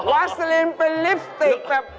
วาสลินเป็นลิปสติกแบบ